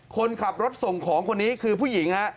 คนขับรถส่งของคนนี้คือผู้หญิงฮะ